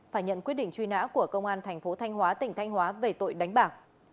phải nhận quyết định truy nã của công an tp thanh hóa tỉnh thanh hóa về tội đánh bảo